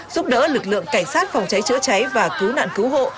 giúp đỡ lực lượng cảnh sát phòng cháy chữa cháy và cứu nạn cứu hộ